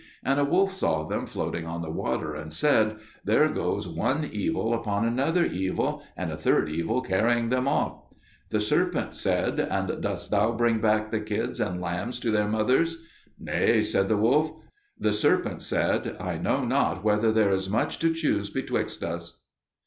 And a wolf saw them floating on the water, and said, 'There goes one evil upon another evil, and a third evil carrying them off.' The serpent said, 'And dost thou bring back the kids and lambs to their mothers?' 'Nay,' said the wolf. The serpent said, 'I know not whether there is much to choose betwixt us.'"